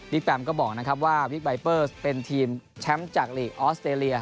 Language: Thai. วิคแปรมก็บอกว่าวิคบัยเปอร์เป็นทีมชั้นจากออสเตรเลีย